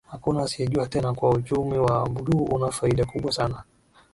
Hakuna asiyejua tena kuwa uchumi wa Buluu una faida kubwa sana